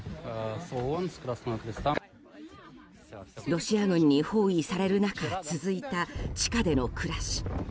ロシア軍に包囲される中続いた地下での暮らし。